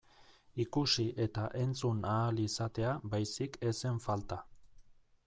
Ikusi eta entzun ahal izatea baizik ez zen falta.